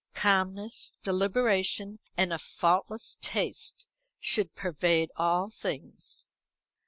Calmness, deliberation, and a faultless taste should pervade all things.